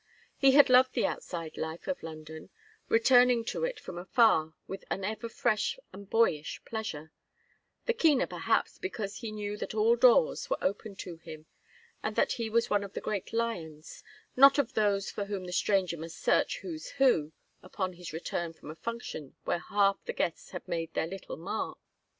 He had loved the outside life of London, returning to it from afar with an ever fresh and boyish pleasure, the keener perhaps because he knew that all doors were open to him and that he was one of the great lions, not of those for whom the stranger must search "Who's Who" upon his return from a function where half the guests had made their little mark.